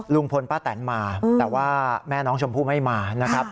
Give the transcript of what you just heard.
ลุงพลป้าแตนมาแต่ว่าแม่น้องชมพู่ไม่มานะครับ